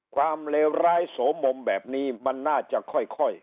เลวร้ายโสมมแบบนี้มันน่าจะค่อย